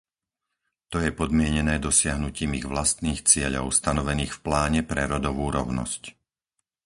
To je podmienené dosiahnutím ich vlastných cieľov, stanovených v pláne pre rodovú rovnosť.